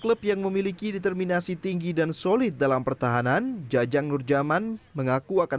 lap yang memiliki determinasi tinggi dan solid dalam pertahanan jajang nur zaman mengaku akan